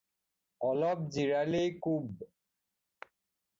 অলপ জিৰালেই কোব